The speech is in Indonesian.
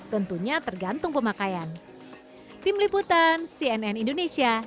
tentunya tergantung pemakaian